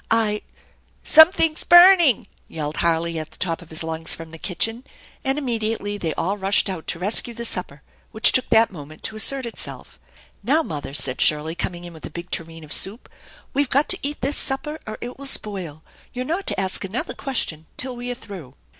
" I "" Something's burning !" yelled Harley at the top of his lungs from the kitchen, and immediately they all rushed out to rescue the supper, which took that moment to assert itself. " Now, mother," said Shirley, coming in with a big tureen of soupi " we've got to eat this supper or it will spoil. You're not to ask another question till we are through."